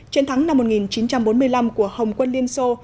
chiến thắng năm một nghìn chín trăm bốn mươi năm của hồng quân liên xô